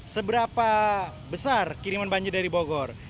seberapa besar kiriman banjir dari bogor